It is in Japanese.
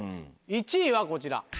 １位はこちら。